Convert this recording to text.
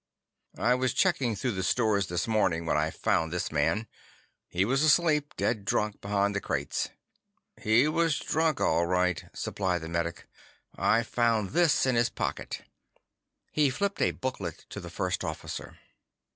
"I was checking through the stores this morning when I found this man. He was asleep, dead drunk, behind the crates." "He was drunk, all right," supplied the medic. "I found this in his pocket." He flipped a booklet to the First Officer.